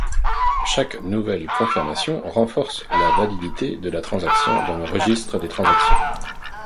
Chaque nouvelle confirmation renforce la validité de la transaction dans le registre des transactions.